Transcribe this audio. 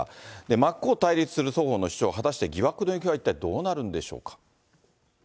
真っ向対立する双方の主張、果たして疑惑の行方は一体どうなるんでしょうか。